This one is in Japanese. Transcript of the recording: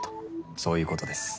そういうことです。